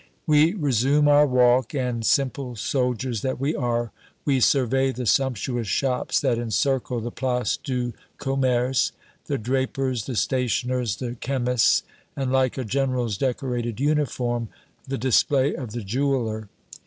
We resume our walk and, simple soldiers that we are, we survey the sumptuous shops that encircle the Place du Commerce; the drapers, the stationers, the chemists, and like a General's decorated uniform the display of the jeweler.